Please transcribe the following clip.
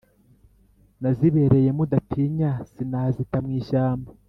nazibereye mudatinya sinazita mu ishyamba.